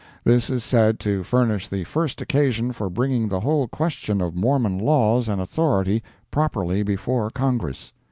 This is said to furnish the first occasion for bringing the whole question of Mormon laws and authority properly before Congress.